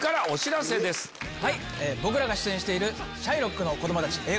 僕らが出演している『シャイロックの子供たち』映画です。